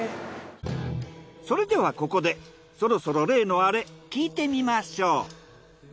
それではここでそろそろ例のアレ聞いてみましょう。